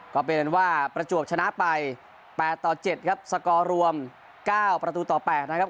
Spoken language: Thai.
ก็เป็นว่าประจวบชนะไป๘ต่อ๗ครับสกอร์รวม๙ประตูต่อ๘นะครับ